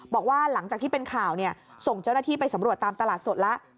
บอกว่าหลังจากที่เป็นข่าวส่งเจ้าหน้าที่ไปสำรวจตามตลาดสดแล้ว